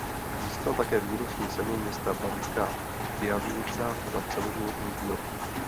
Získal také Výroční cenu města Banská Štiavnica za celoživotní dílo.